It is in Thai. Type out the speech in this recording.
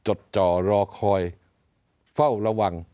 จดจ่อรอคอยเฝ้าระวัง